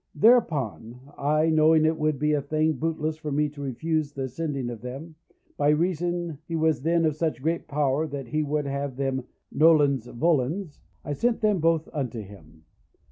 Thereupon I, knowing it would be a thing bootless for me to refuse the sending of them, by reason he was then of such great power that he would have them, nolens volens, I sent them both unto him.